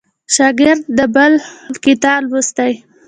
شاګرد بل کتاب لوستی.